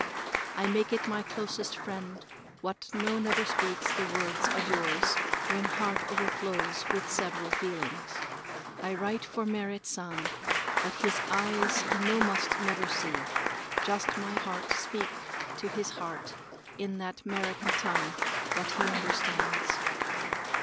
I make it my closest friend what no never speaks the words of yours when heart overflows with several feelings. I write for Merrit San, but his eyes no must never see. Just my heart speak to his heart in that 'Merican tongue what he understands.